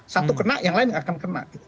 satu kena yang lain yang akan kena